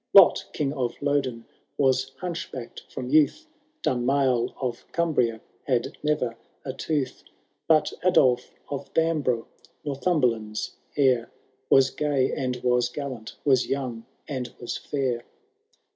Lot, King of Lodon, was hunchbacked ftom. youth ; Dunmail of Cumbria had neyer a tooth ; Bat Adolf of Bambrough, Northumberland's heir. Was gay and Was gallant, was young and was fiur.